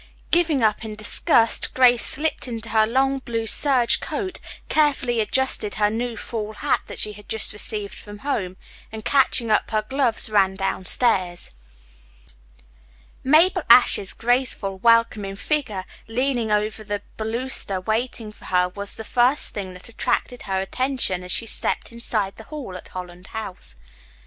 Giving up in disgust, Grace slipped into her long, blue serge coat, carefully adjusted her new fall hat that she had just received from home, and catching up her gloves ran downstairs. Mabel Ashe's graceful, welcoming figure leaning over the baluster waiting for her was the first thing that attracted her attention as she stepped inside the hall at Holland House.